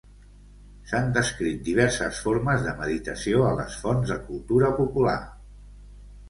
S"han descrit diverses formes de meditació a les fons de cultura popular.